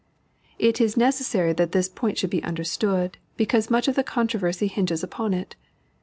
It is necessary that this point should be understood, because much of the controversy hinges upon it.